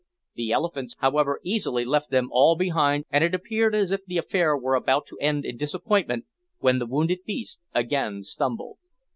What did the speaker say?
The elephants, however, easily left them all behind, and it appeared as if the affair were about to end in disappointment, when the wounded beast again stumbled.